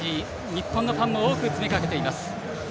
日本のファンも多く詰めかけています。